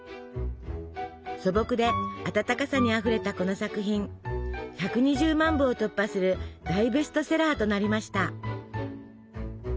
素朴で温かさにあふれたこの作品１２０万部を突破する大ベストセラーとなりました。